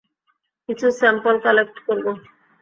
কিছু sample collect করব।